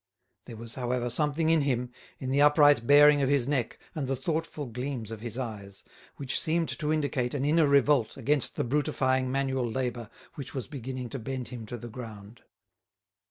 There was, however, something in him, in the upright bearing of his neck and the thoughtful gleams of his eyes, which seemed to indicate an inner revolt against the brutifying manual labour which was beginning to bend him to the ground.